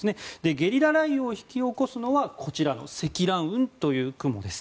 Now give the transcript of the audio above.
ゲリラ雷雨を引き起こすのはこちらの積乱雲という雲です。